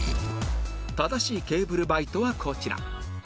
正しいケーブルバイトはこちら